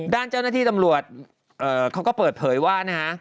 ด้านเจ้าหน้าที่ตำรวจเขาก็เปิดเผยว่านะฮะ